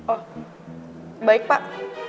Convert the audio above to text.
oh baik pak